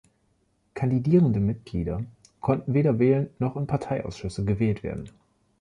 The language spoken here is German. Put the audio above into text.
Kandidierende Mitglieder konnten weder wählen noch in Parteiausschüsse gewählt werden.